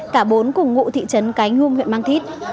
cả bốn cùng ngụ thị trấn cái nhung huyện mang thít